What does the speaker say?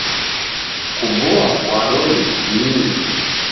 Kuboa kwaro ni kii?